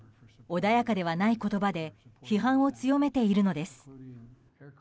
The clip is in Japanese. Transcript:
穏やかではない言葉で批判を強めているのです。